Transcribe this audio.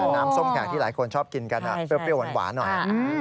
น้ำส้มแขกที่หลายคนชอบกินกันเปรี้ยวหวานหน่อย